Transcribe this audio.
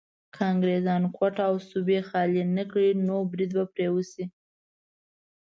که انګريزان کوټه او سبۍ خالي نه کړي نو بريد به پرې وشي.